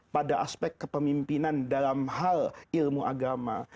pada aspek kepemimpinan dalam hal ilmu agama